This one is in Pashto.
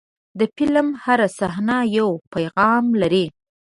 د فلم هره صحنه یو پیغام لري.